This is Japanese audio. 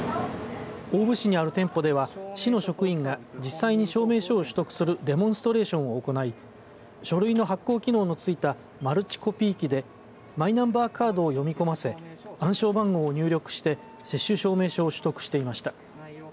大府市にある店舗では実際の職員が実際に証明書を取得するデモンストレーションを行い書類の発行機能のついたマルチコピー機でマイナンバーカードを読み込ませ暗証番号を入力して接種証明書を取得していました。